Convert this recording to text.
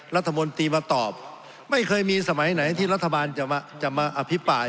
รัฐมนตรีมาตอบไม่เคยมีสมัยไหนที่รัฐบาลจะมาอภิปราย